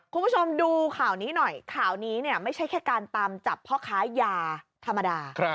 คุณผู้ชมดูข่าวนี้หน่อยข่าวนี้เนี่ยไม่ใช่แค่การตามจับพ่อค้ายาธรรมดา